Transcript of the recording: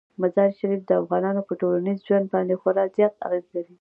مزارشریف د افغانانو په ټولنیز ژوند باندې خورا زیات اغېز لري.